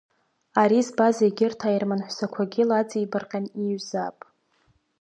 Ари збаз егьырҭ аерман ҳәсақәагьы лаҵирбаҟьаны иҩзаап.